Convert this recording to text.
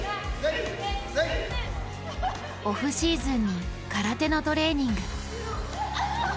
オフシーズンに空手のトレーニング。